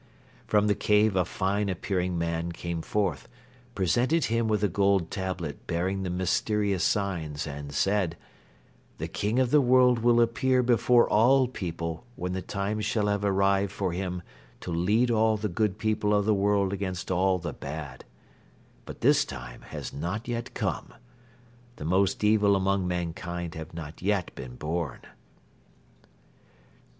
From the cave a fine appearing man came forth, presented him with a gold tablet bearing the mysterious signs and said: "'The King of the World will appear before all people when the time shall have arrived for him to lead all the good people of the world against all the bad; but this time has not yet come. The most evil among mankind have not yet been born.